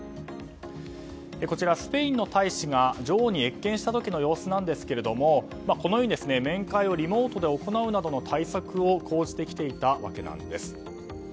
こちらはスペインの大使が女王に謁見した時の様子なんですけどこのように面会をリモートで行うなどの対策を講じてきていたわけなんです。